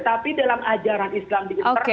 tapi dalam ajaran islam di internal